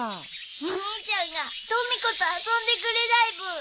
お兄ちゃんがとみ子と遊んでくれないブー。